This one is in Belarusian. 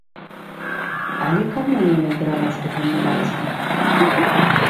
Але каму мне накіраваць рэкамендацыі?